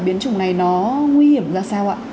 biến chủng này nó nguy hiểm ra sao ạ